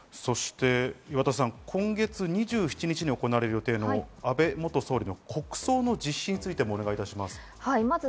今月２７日に行われる予定の安倍元総理の国葬の実施についてもお願いします。